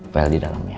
file di dalamnya